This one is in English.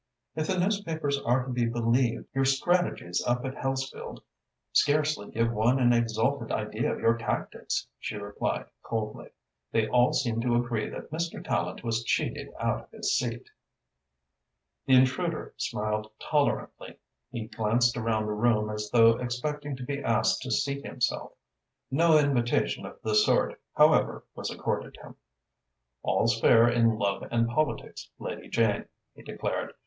"If the newspapers are to be believed, your strategies up at Hellesfield scarcely give one an exalted idea of your tactics," she replied coldly. "They all seem to agree that Mr. Tallente was cheated out of his seat." The intruder smiled tolerantly. He glanced around the room as though expecting to be asked to seat himself. No invitation of the sort, however, was accorded him. "All's fair in love and politics, Lady Jane," he declared.